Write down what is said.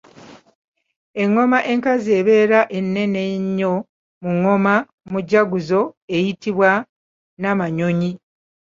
Engoma enkazi ebeera ennene ennyo mu ngoma mujaguzo eyitibwa Nnamanyonyi.